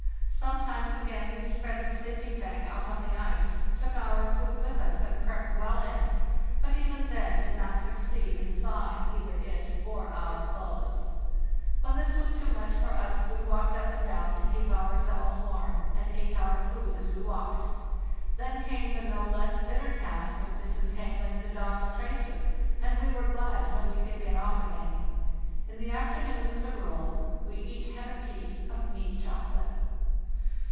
Sometimes, again, we spread the sleeping bag out on the ice, took our food with us, and crept well in, but even then did not succeed in thawing either it or our clothes. When 150 FARTHESLT NORTIT this was too much for us we walked up and down to keep ourselves warm, and ate our food as we walked. Then came the no less bitter task of disentangling the dogs' traces, and we were glad when we could get off again. In the afternoon, as a rule, we each had a piece of meat chocolate.